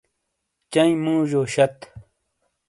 چنئی موژیو شت ۔۔